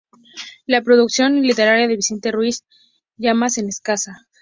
La producción literaria de Vicente Ruiz Llamas es escasa.